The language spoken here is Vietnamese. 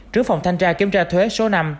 trướng phòng thanh tra kiểm tra thuế số năm